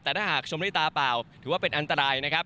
แต่ถ้าหากชมด้วยตาเปล่าถือว่าเป็นอันตรายนะครับ